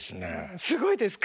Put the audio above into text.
すごいですか？